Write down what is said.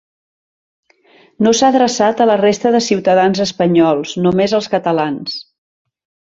No s’ha adreçat a la resta de ciutadans espanyols, només als catalans.